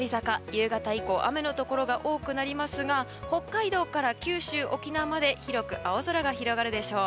夕方以降、雨のところが多くなりますが北海道から九州・沖縄まで広く青空が広がるでしょう。